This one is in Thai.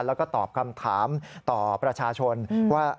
แล้วก็ตอบคำถามต่อประชาชนว่า